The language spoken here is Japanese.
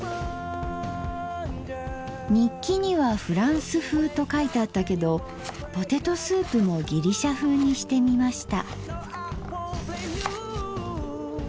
日記には「ふらんすふう」と書いてあったけどポテトスープもギリシャふうにしてみました。